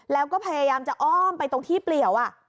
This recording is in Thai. แล้วก็พยายามจะอ้อมไปตรงที่เปลี่ยว